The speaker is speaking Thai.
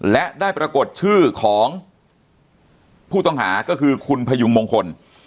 และได้ปรากฏชื่อของผู้ต้องหาก็คือคุณพยุงมงคล